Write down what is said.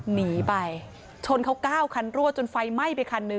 หนีไปชนเขา๙คันรั่วจนไฟไหม้ไปคันหนึ่ง